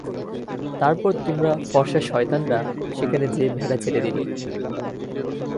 তারপর তোমরা ফর্সা সয়তানরা সেখানে যেয়ে ভেড়া ছেড়ে দিলে।